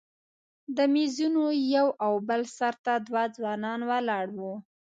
د میزونو یو او بل سر ته دوه ځوانان ولاړ وو.